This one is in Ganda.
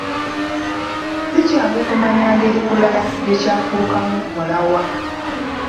Si kyangu kumanya ngeri kulaya gye kyafuukamu mulawa.